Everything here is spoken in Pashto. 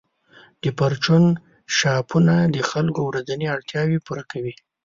د پرچون شاپونه د خلکو ورځنۍ اړتیاوې پوره کوي.